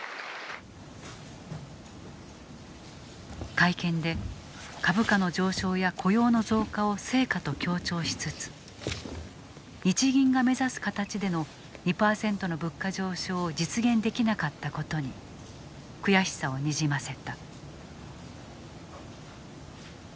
会見で、株価の上昇や雇用の増加を成果と強調しつつ日銀が目指す形での２％の物価上昇を実現できなかったことに悔しさをにじませた。